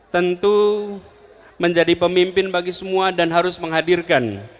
tentu menjadi pemimpin bagi semua dan harus menghadirkan